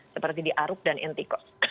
seperti di aruk dan ntkos